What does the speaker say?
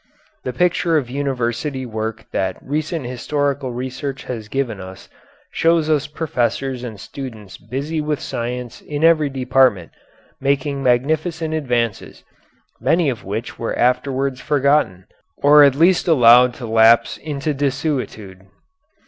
The picture of university work that recent historical research has given us shows us professors and students busy with science in every department, making magnificent advances, many of which were afterwards forgotten, or at least allowed to lapse into desuetude.